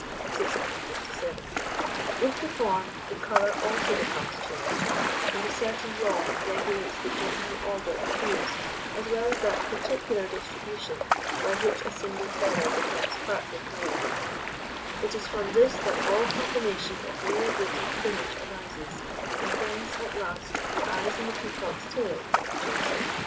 657. With the form, the colour also becomes changed, and a certain law regulates the general order of hues as well as that particular distribution by which a single feather becomes party coloured, It is from this that all combination of variegated plumage arises, and whence, at last, the eyes in the peacock's tail are produced.